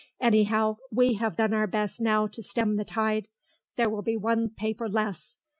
Anyhow, we have done our best now to stem the tide. There will be one paper less.